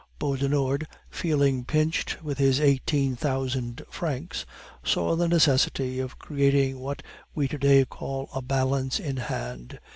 Beaudenord, feeling pinched with his eighteen thousand francs, saw the necessity of creating what we to day call a balance in hand.